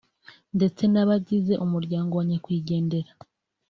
ndetse n’abagize umuryango wa Nyakwigendera